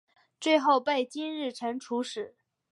最后被金日成处死。